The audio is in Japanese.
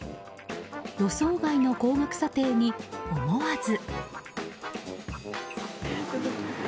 予想外の高額査定に思わず。